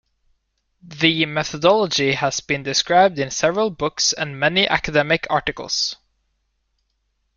The methodology has been described in several books and many academic articles.